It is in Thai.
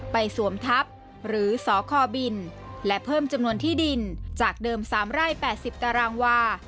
สวมทัพหรือสคบินและเพิ่มจำนวนที่ดินจากเดิม๓ไร่๘๐ตารางวา